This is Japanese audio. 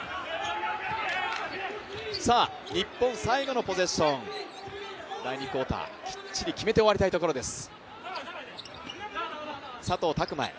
日本、最後のポゼッション、第２クオーター、きっちり決めて終わりたいところです。